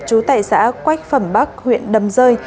trú tại xã quách phẩm bắc huyện đầm rơi